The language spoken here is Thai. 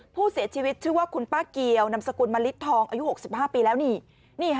ผู้เสียชีวิตชื่อว่าคุณป้าเกียวนำสกุลมลิดทองอายุ๖๕ปีแล้วนี่ค่ะ